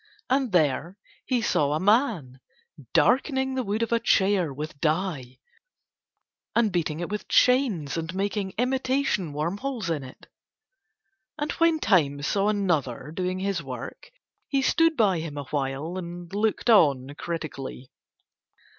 And there he saw a man darkening the wood of a chair with dye and beating it with chains and making imitation wormholes in it. And when Time saw another doing his work he stood by him awhile and looked on critically.